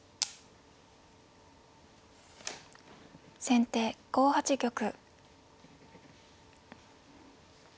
先手５八玉。